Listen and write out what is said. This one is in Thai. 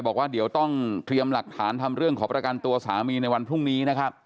บอกว่าเดี๋ยวต้องเตรียมหลักฐานทำเรื่องขอประกันตัวสามีในวันพรุ่งนี้นะครับ